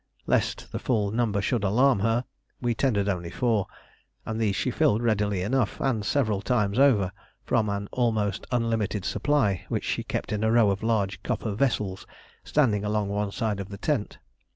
Lest the full number should alarm her, we tendered only four, and these she filled readily enough, and several times over, from an almost unlimited supply which she kept in a row of large copper vessels standing along one side of the tent.